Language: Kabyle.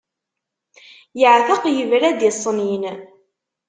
Yeɛteq yebra-d i ṣṣnin.